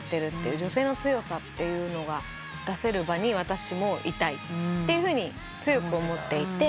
女性の強さが出せる場に私もいたいというふうに強く思っていて。